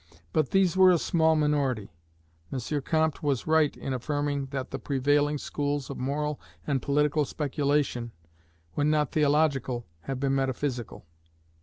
But these were a small minority. M. Comte was right in affirming that the prevailing schools of moral and political speculation, when not theological, have been metaphysical.